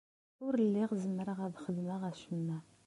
Ur lliɣ zemreɣ ad xedmeɣ acemma.